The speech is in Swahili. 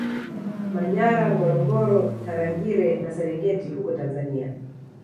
Manyara Ngorongoro Tarangire na Serengeti huko Tanzania